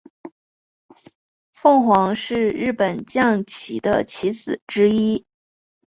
凤凰是日本将棋的棋子之一。